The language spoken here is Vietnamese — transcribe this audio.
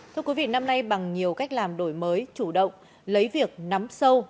thưa quý vị năm nay bằng nhiều cách làm đổi mới chủ động lấy việc nắm sâu